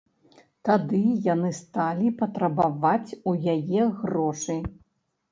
Тады яны сталі патрабаваць у яе грошы.